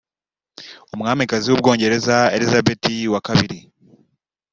umwamikazi w’ubwongereza Elizabeti wa kabiri